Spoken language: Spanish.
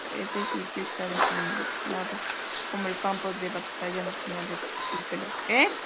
Ese sitio está designado como el Campo de Batalla Nacional de Tupelo.